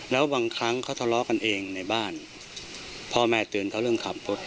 แล้วบางครั้งเขาทะเลาะกันเองในบ้านพ่อแม่เตือนเขาเรื่องขับรถ